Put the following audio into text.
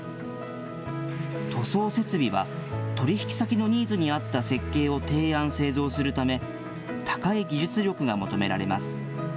塗装設備は、取り引き先のニーズに合った設計を提案、製造するため、高い技術力が求められます。